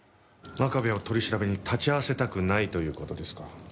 真壁を取り調べに立ち会わせたくないという事ですか？